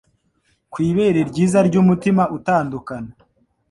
Ku ibere ryiza umutima utandukana,